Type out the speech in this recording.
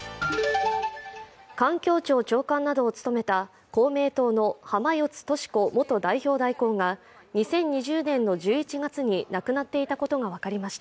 環境庁長官などを務めた公明党の浜四津敏子元代表代行が２０２０年の１１月に亡くなっていたことが分かりました。